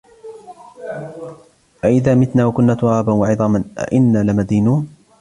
أإذا متنا وكنا ترابا وعظاما أإنا لمدينون